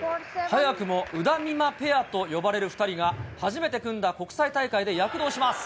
早くもうだみまペアと呼ばれる２人が、初めて組んだ国際大会で躍動します。